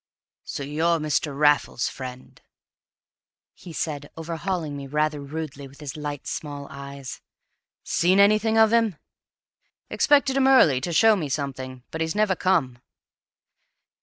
"So you're Mr. Raffles's friend?" said he, overhauling me rather rudely with his light small eyes. "Seen anything of him? Expected him early to show me something, but he's never come."